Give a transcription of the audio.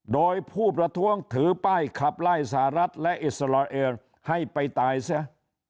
โดยผู้ประท้วงถือป้ายขับไล่สหรัฐและอิสราเอลให้ไปตายเสีย